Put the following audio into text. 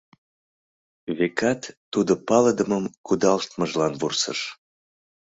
Векат, тудо палыдымым кудалыштмыжлан вурсыш.